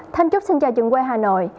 thanh trúc xin chào trường quay hà nội